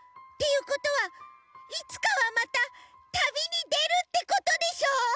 いうことはいつかはまた旅にでるってことでしょ！？